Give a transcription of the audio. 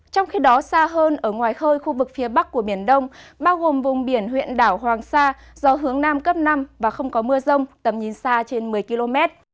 trong khi đó xa hơn ở ngoài khơi khu vực phía bắc của biển đông bao gồm vùng biển huyện đảo hoàng sa gió hướng nam cấp năm và không có mưa rông tầm nhìn xa trên một mươi km